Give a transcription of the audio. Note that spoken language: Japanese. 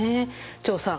張さん。